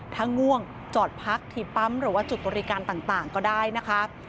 ถ้าง่วงจอดพักที่ปั๊มหรือว่าจุดบริการต่างก็ได้นะคะ